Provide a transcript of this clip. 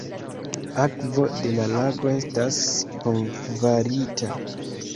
Akvo de la lago estas bonkvalita.